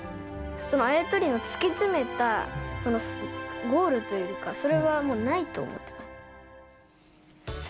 あや取りを突き詰めたゴールというか、それはないと思ってます。